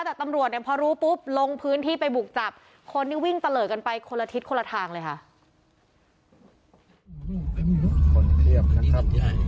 แต่ตำรวจเนี่ยพอรู้ปุ๊บลงพื้นที่ไปบุกจับคนที่วิ่งตะเลิศกันไปคนละทิศคนละทางเลยค่ะ